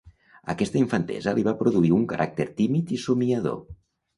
Aquesta infantesa li va produir un caràcter tímid i somiador.